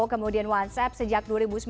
kemudian whatsapp sejak dua ribu sembilan belas